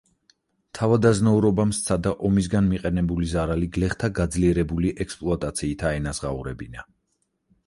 თავადაზნაურობამ სცადა ომისაგან მიყენებული ზარალი გლეხთა გაძლიერებული ექსპლუატაციით აენაზღაურებინა.